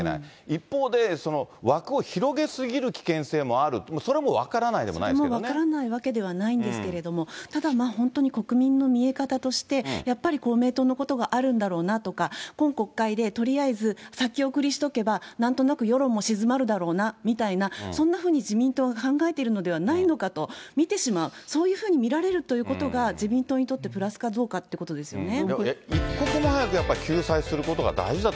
一方で、枠を広げすぎる危険性もある、それも分からないでもないですけどそれも分からないわけではないんですけれども、ただ本当に国民の見え方として、やっぱり公明党のことがあるんだろうなとか、今国会でとりあえず、先送りしておけば、なんとなく世論も静まるだろうなみたいな、そんなふうに自民党が考えているのではないのかと見てしまう、そういうふうに見られるということが、自民党にとってプラスかどうかということですよね。